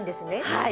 はい。